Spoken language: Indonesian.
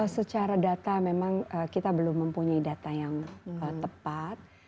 secara data memang kita belum mempunyai data yang tepat